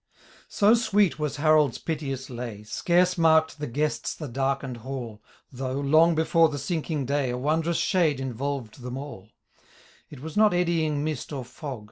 So sweet was Harold's piteous lay, Scarce marked the guests the darkened hall. Though, long before the sinking day, A wondrous fehade involved them all : It was not eddying mist or fog.